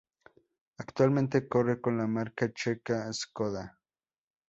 Actualmente corre con la marca checa Škoda.